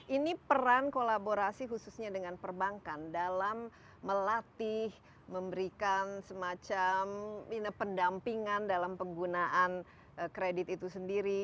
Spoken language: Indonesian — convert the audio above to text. ini peran kolaborasi khususnya dengan perbankan dalam melatih memberikan semacam pendampingan dalam penggunaan kredit itu sendiri